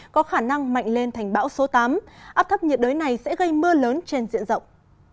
có khả năng mạnh lên thành bão số tám áp thấp nhiệt đới này sẽ gây mưa lớn trên diện rộng